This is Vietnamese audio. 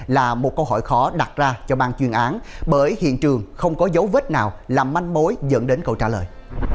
là một câu hỏi khó đặt ra cho ban chuyên án bởi hiện trường không có dấu vết nào làm manh mối dẫn đến câu trả lời